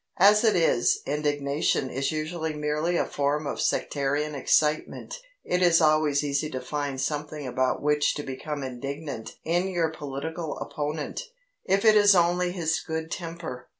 As it is, indignation is usually merely a form of sectarian excitement It is always easy to find something about which to become indignant in your political opponent, if it is only his good temper.